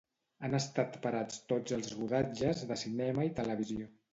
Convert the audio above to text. Han estat parats tots els rodatges de cinema i televisió.